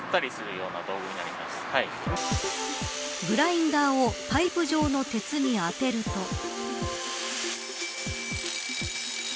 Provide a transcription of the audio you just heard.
グラインダーをパイプ状の鉄に当てると。